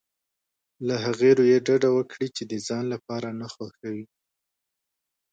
له هغې رويې ډډه وکړي چې د ځان لپاره نه خوښوي.